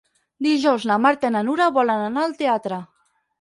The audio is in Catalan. Dijous na Marta i na Nura volen anar al teatre.